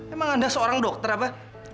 emang anda seorang dokter apa